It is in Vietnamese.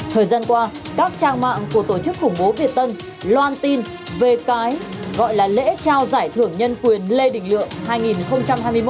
thời gian qua các trang mạng của tổ chức khủng bố việt tân loan tin về cái gọi là lễ trao giải thưởng nhân quyền lê đình lượng hai nghìn hai mươi một